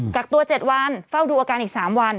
กักตัว๗วันเฝ้าดูอาการอีก๓วัน